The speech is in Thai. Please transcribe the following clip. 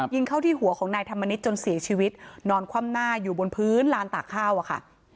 ยิงเข้าที่หัวของนายธรรมนิษฐ์จนเสียชีวิตนอนคว่ำหน้าอยู่บนพื้นลานตากข้าวอะค่ะ